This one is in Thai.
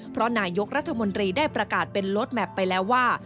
เพราะนายกรัฐมนตรีได้ประกาศเป็นโลดแมพไปแล้วว่า